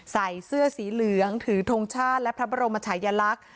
ใส่เสื้อสีเหลืองถือทงชาติและพระบรมชายลักษณ์